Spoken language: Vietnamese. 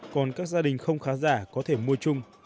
còn các gia đình không khá giả có thể mua chung